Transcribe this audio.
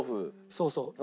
そうそう。